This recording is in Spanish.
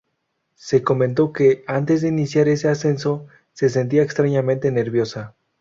Se comentó que, antes de iniciar ese ascenso se sentía extrañamente nerviosa.